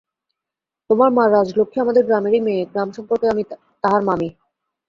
তোমার মা রাজলক্ষ্মী আমাদের গ্রামেরই মেয়ে, গ্রামসম্পর্কে আমি তাহার মামী।